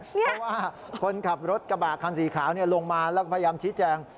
เพราะว่าคนขับรถกระบะคันสีขาวลงมาแล้วก็พยายามชี้แจง